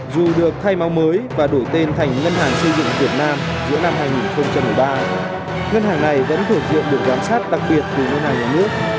dù được thay máu mới và đổi tên thành ngân hàng dây dựng việt nam giữa năm hai nghìn một mươi ba ngân hàng này vẫn thể hiện được quan sát đặc biệt của ngân hàng nhà nước